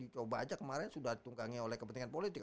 coba aja kemarin sudah ditunggangi oleh kepentingan politik